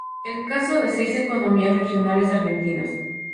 El caso de seis economías regionales argentinas.